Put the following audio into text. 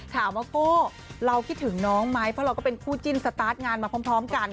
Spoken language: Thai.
ถามว่าโก้เราคิดถึงน้องไหมเพราะเราก็เป็นคู่จิ้นสตาร์ทงานมาพร้อมกัน